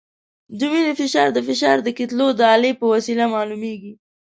د وینې فشار د فشار د کتلو د الې په وسیله معلومېږي.